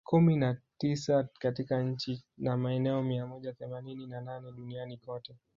kumi na tisa katika nchi na maeneo mia moja themanini na nane duniani kote